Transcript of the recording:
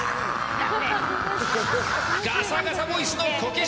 ガサガサボイスのこけし